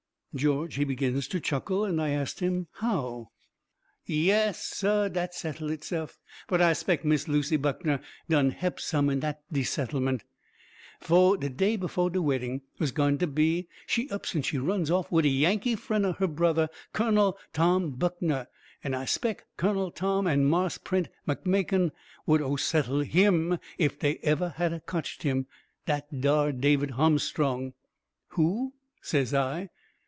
George, he begins to chuckle, and I ast him how. "Yass, SAH, dat settle HITse'f. But I 'spec' Miss Lucy Buckner done he'p some in de settleMENT. Foh de day befoh de weddin' was gwine ter be, she ups an' she runs off wid a Yankee frien' of her brother, Kunnel Tom Buckner. An' I'se 'spec' Kunnel Tom an' Marse Prent McMakin would o' settle' HIM ef dey evah had o' cotched him dat dar David Ahmstrong!" "Who?" says I.